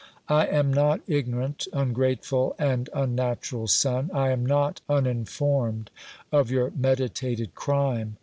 I am not Ignorant, ungrateful and unnatural son, I am not uninformed of your meditated crime.